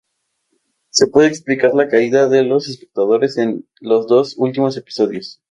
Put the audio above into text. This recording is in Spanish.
Esto puede explicar la caída de espectadores en los dos últimos episodios.